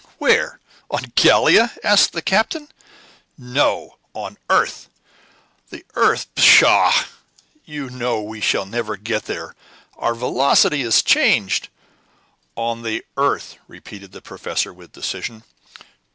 "Where? On Gallia?" asked the captain. "No; on the earth." "The earth! Pshaw! You know we shall never get there; our velocity is changed." "On the earth," repeated the professor, with decision.